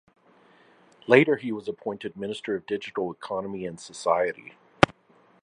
Later he was appointed Minister of Digital Economy and Society.